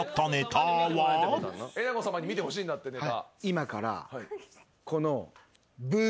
えなこさまに見てほしいんだってネタ。